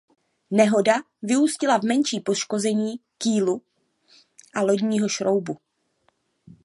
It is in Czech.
Nehoda vyústila v menší poškození kýlu a lodního šroubu.